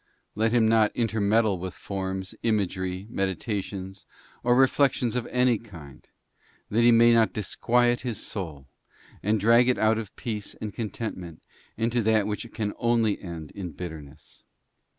Let him not intermeddle with forms, imagery, medita tions, or reflections of any kind, that he may not disquiet his soul, and drag it out of peace and contentment into that which can only end in bitterness.